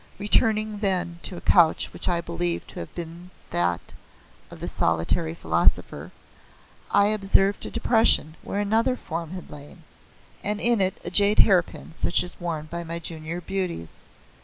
Returning then to a couch which I believed to have been that of the solitary philosopher I observed a depression where another form had lain, and in it a jade hairpin such as is worn by my junior beauties.